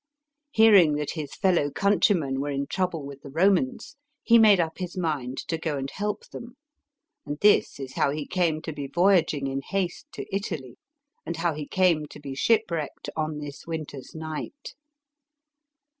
Hearing that his fellow countrymen were in trouble with the Eomans, he made up his mind to go and help them. And this is how he came to be voyaging in haiste to Italy, and how he came to be shipwrecked on this winter's night.